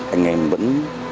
anh em vẫn